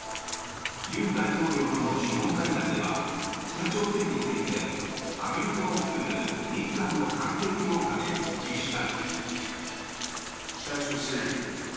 尹大統領との首脳会談では北朝鮮についてアメリカを含む日韓の関係強化で一致した。